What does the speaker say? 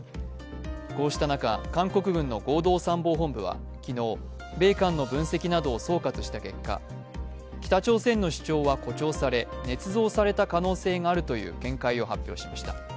こうした中、韓国軍の合同参謀本部は昨日、米艦の分析などを調査した結果、北朝鮮の主張は誇張され、ねつ造された可能性があるという見解を発表しました。